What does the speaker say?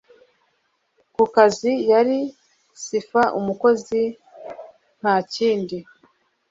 Ku kazi, yari cipher, umukozi, ntakindi